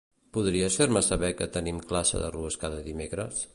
Podries fer-me saber que tenim classe de rus cada dimecres?